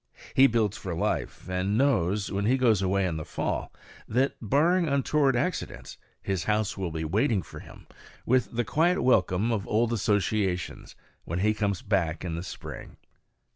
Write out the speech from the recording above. He builds for life and knows, when he goes away in the fall, that, barring untoward accidents, his house will be waiting for him with the quiet welcome of old associations when he comes back in the spring.